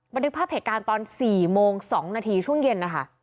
บันทึกภาพเหตุการณ์ตอน๔โมง๒นาทีช่วงเย็นนะคะ